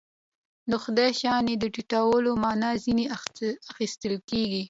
د خدای د شأن د ټیټولو معنا ځنې اخیستل کېږي.